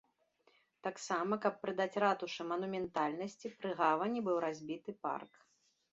Таксама, каб прыдаць ратушы манументальнасці, пры гавані быў разбіты парк.